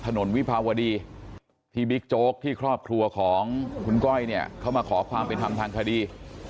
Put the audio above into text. วิภาวดีที่บิ๊กโจ๊กที่ครอบครัวของคุณก้อยเนี่ยเขามาขอความเป็นธรรมทางคดี